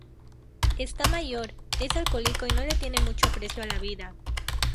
Está mayor, es alcohólico y no le tiene mucho aprecio a la vida.